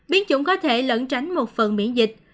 biến chủng có thể lẫn tránh một phần miễn dịch